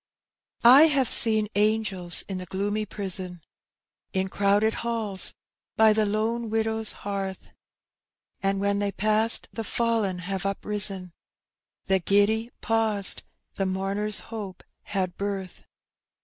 I haye seen angels in the gloomy prison, In crowded halls, bj the lone widow's hearth ; And when thej paesed the fallen have uprisen, The giddj paused, the mourner's hope bad birth.